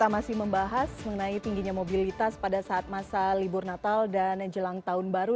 kita masih membahas mengenai tingginya mobilitas pada saat masa libur natal dan jelang tahun baru